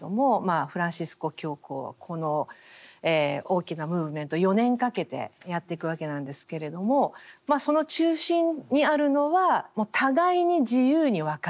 フランシスコ教皇はこの大きなムーブメントを４年かけてやっていくわけなんですけれどもその中心にあるのはもう互いに自由に分かち合うと。